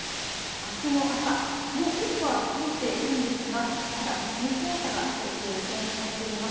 あすの朝もうピークは過ぎているんですがまだ薄い黄砂が広く予想されています。